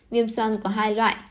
viêm soan có hai loại